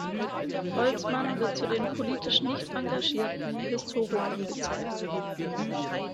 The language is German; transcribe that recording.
Holtzmann wird zu den „politisch nicht engagierten Historikern“ gezählt.